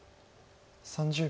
３０秒。